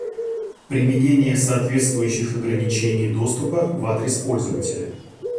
Применение соответствующих ограничений доступа в адрес пользователя